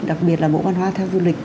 đặc biệt là bộ văn hóa thể thao du lịch